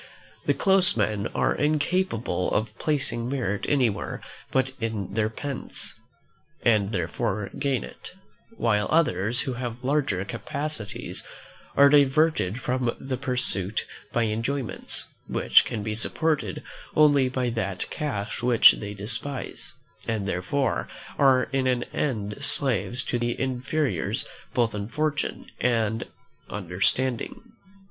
The close men are incapable of placing merit anywhere but in their pence, and therefore gain it; while others, who have larger capacities, are diverted from the pursuit by enjoyments which can be supported only by that cash which they despise; and therefore are in the end slaves to their inferiors both in fortune and understanding.